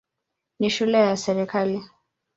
Ni shule ya serikali.